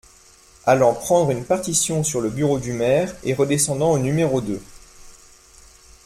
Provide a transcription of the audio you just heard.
Allant prendre une partition sur le bureau du maire et redescendant au n° deux.